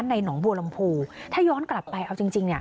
ในหนองบัวลำภูถ้าย้อนกลับไปเอาจริง